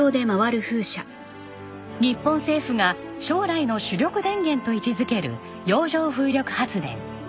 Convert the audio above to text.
日本政府が将来の主力電源と位置付ける洋上風力発電。